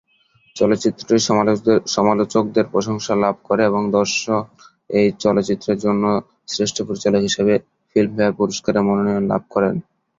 চলচ্চিত্রটি সমালোচকদের প্রশংসা লাভ করে এবং দর্শন এই চলচ্চিত্রের জন্য শ্রেষ্ঠ পরিচালক বিভাগে ফিল্মফেয়ার পুরস্কারের মনোনয়ন লাভ করেন।